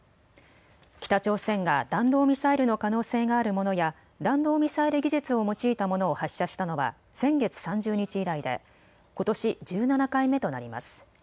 北朝鮮が弾道ミサイルの可能性があるものや弾道ミサイル技術を用いたものを発射したのは先月３０日以来でことし１７回目となります。